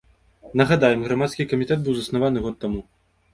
Нагадаем, грамадскі камітэт быў заснаваны год таму.